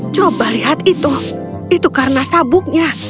coba lihat itu itu karena sabuknya